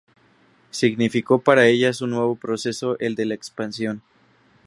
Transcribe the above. Significó para ellas un nuevo proceso, el de la expansión.